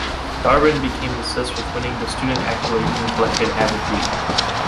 Darwin became obsessed with winning the student accolade and collected avidly.